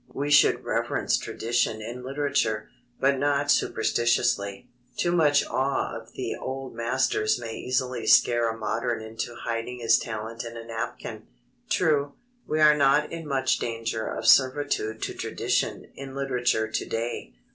We should reverence tradition in literature, but not superstitiously. Too much awe of the old masters may easily scare a modern into hiding his talent in a napkin. True, we are not in much danger of servitude to tradition in literature to day.